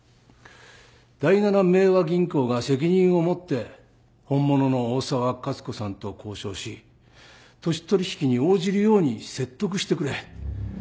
第七明和銀行が責任を持って本物の大沢勝子さんと交渉し土地取引に応じるように説得してくれ。